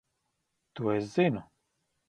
To es zinu.